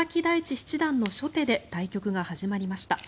七段の初手で対局が始まりました。